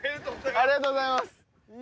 ありがとうございます！